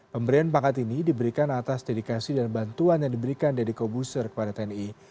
pemberian pangkat ini diberikan atas dedikasi dan bantuan yang diberikan deddy kobuser kepada tni